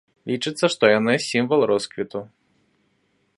Лічыцца, што яны сімвал росквіту.